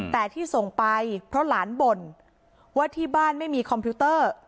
แต่ที่ส่งไปเพราะหลานบ่นว่าที่บ้านไม่มีคอมพิวเตอร์